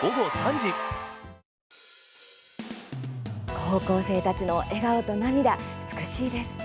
高校生たちの笑顔と涙美しいです。